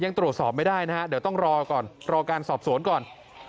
ยังตรวจสอบไม่ได้นะฮะเดี๋ยวต้องรอก่อนรอการสอบสวนก่อน